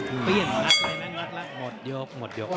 หมดยก